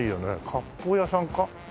割烹屋さんか？